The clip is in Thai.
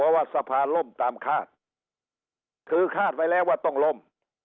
ว่าสภาล่มตามคาดคือคาดไว้แล้วว่าต้องล่ม